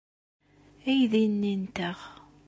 Aydi-nni nteɣ.